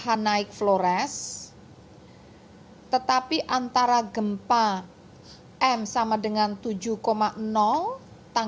yang berbeda dari gempa yang terjadi di negara lain